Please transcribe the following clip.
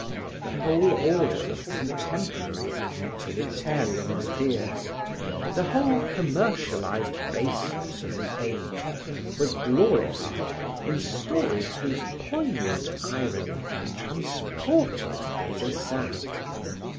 The whole order of contemporary and utilitarian ideas, the whole commercialized baseness of the age were glorified in stories whose poignant irony transported Des Esseintes.